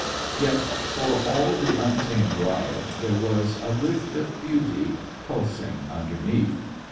Yet, for all the untamed riot, there was a lift of beauty pulsing underneath.